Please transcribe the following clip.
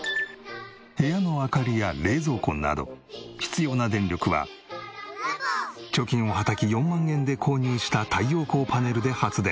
部屋の明かりや冷蔵庫など必要な電力は貯金をはたき４万円で購入した太陽光パネルで発電。